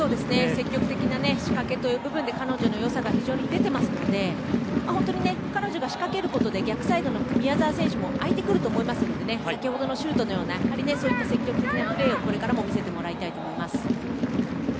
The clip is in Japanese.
積極的な仕掛けという部分で彼女の良さが出ているので彼女が仕掛けることで逆サイドの宮澤選手も空いてくると思いますので先ほどのシュートのような積極的なプレーをこれからも見せてもらいたいと思います。